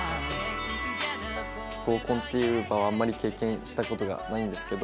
合コンっていう場はあんまり経験した事がないんですけど